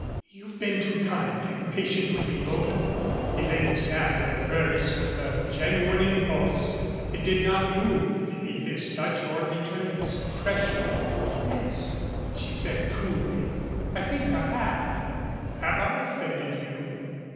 You've been too kind and patient with me, Olga." He laid his hand over hers with a genuine impulse. It did not move beneath his touch or return his pressure. "Yes," she said cooUy, "I think I have." "Have I offended you?"